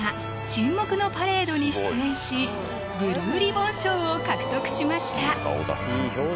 「沈黙のパレード」に出演しブルーリボン賞を獲得しました